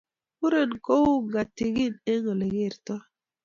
muren ko oo ngatiging eng olegertoi